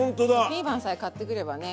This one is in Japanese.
ピーマンさえ買ってくればね